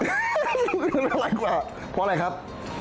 อันนี้อร่อยกว่าเพราะอะไรครับ